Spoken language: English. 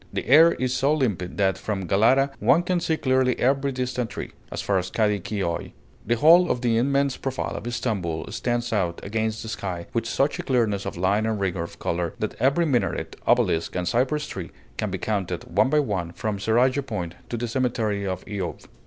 The air is so limpid that from Galata one can see clearly every distant tree, as far as Kadi Kioi. The whole of the immense profile of Stamboul stands out against the sky with such a clearness of line and rigor of color, that every minaret, obelisk, and cypress tree can be counted, one by one, from Seraglio Point to the cemetery of Eyub.